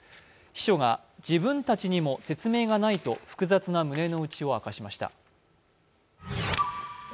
秘書が自分たちにも説明がないと複雑な胸の内を明かしました。